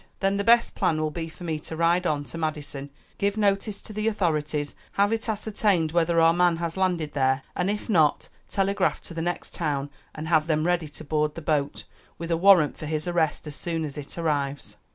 "Then the best plan will be for me to ride on to Madison, give notice to the authorities, have it ascertained whether our man has landed there, and if not telegraph to the next town and have them ready to board the boat, with a warrant for his arrest, as soon as it arrives."